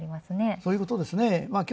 そういうことですね。